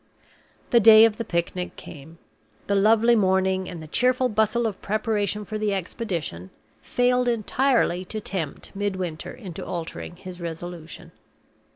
The day of the picnic came. The lovely morning, and the cheerful bustle of preparation for the expedition, failed entirely to tempt Midwinter into altering his resolution.